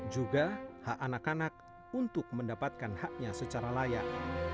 juga hak anak anak untuk mendapatkan haknya secara layak